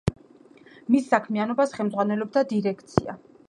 მის საქმიანობას ხელმძღვანელობდა დირექცია.